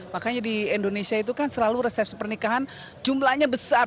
makanya di indonesia itu kan selalu resepsi pernikahan jumlahnya besar